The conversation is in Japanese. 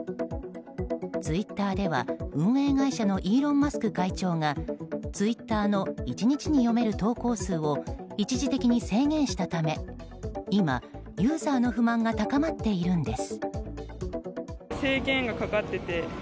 ツイッターでは運営会社のイーロン・マスク会長がツイッターの１日に読める投稿数を一時的に制限したため今、ユーザーの不満が高まっているんです。